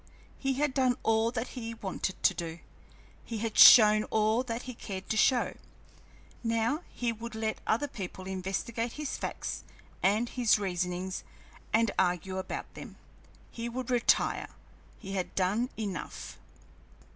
He had done all that he wanted to do, he had shown all that he cared to show; now he would let other people investigate his facts and his reasonings and argue about them; he would retire he had done enough.